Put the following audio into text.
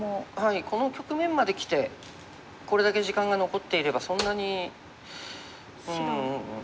この局面まできてこれだけ時間が残っていればそんなにうん。